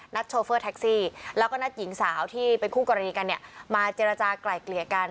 โชเฟอร์แท็กซี่แล้วก็นัดหญิงสาวที่เป็นคู่กรณีกันเนี่ยมาเจรจากลายเกลี่ยกัน